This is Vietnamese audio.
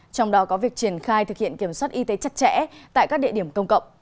trong đó có việc triển khai thực hiện kiểm soát y tế chặt chẽ tại các địa điểm công cộng